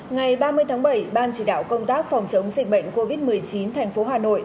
ngày ba mươi tháng bảy ban chỉ đạo công tác phòng chống dịch bệnh covid một mươi chín thành phố hà nội